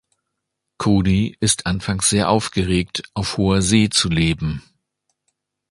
Cody ist anfangs sehr aufgeregt, auf hoher See zu leben.